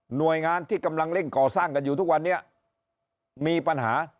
หน่วยงานที่กำลังเร่งก่อสร้างกันอยู่ทุกวันนี้มีปัญหา